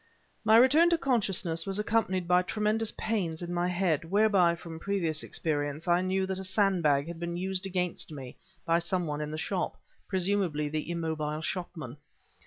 My return to consciousness was accompanied by tremendous pains in my head, whereby, from previous experience, I knew that a sandbag had been used against me by some one in the shop, presumably by the immobile shopman.